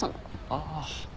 ああ。